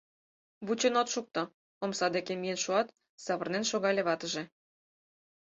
— Вучен от шукто! — омса деке миен шуат, савырнен шогале ватыже.